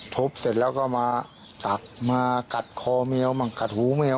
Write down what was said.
พบเสร็จแล้วก็มาตักมากัดคอแมวมั่งกัดหูแมว